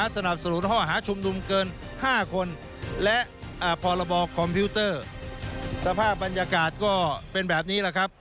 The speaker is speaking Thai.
สภาพบรรยากาศก็เป็นแบบนี้แหละครับ